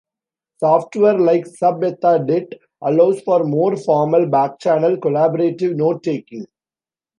Software like SubEthaEdit allows for more formal backchannel: collaborative notetaking.